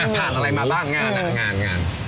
ผ่านอะไรมาบ้างงานงาน